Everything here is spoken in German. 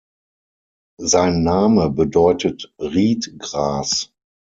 Sein Name bedeutet "Riedgras".